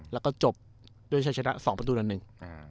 แล้วก็จบด้วยชัยชนะ๒ประตูนั้นหนึ่ง